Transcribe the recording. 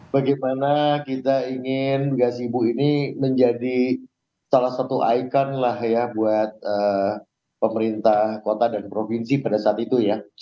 bagaimana kita ingin gasibu ini menjadi salah satu ikon lah ya buat pemerintah kota dan provinsi pada saat itu ya